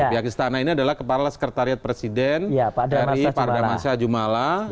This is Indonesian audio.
pihak istana ini adalah kepala sekretariat presiden dari pak damar sya jumala